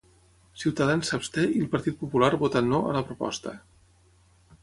Ciutadans s'absté i el Partit Popular vota 'no'a la proposta.